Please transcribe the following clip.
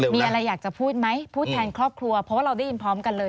มีอะไรอยากจะพูดไหมพูดแทนครอบครัวเพราะว่าเราได้ยินพร้อมกันเลย